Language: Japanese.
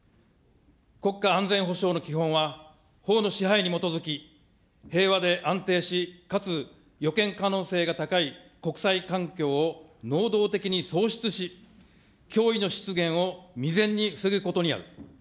国家安全保障の基本は、法の支配に基づき、平和で安定し、かつ予見可能性が高い国際環境を能動的に創出し、脅威の出現を未然に防ぐことにある。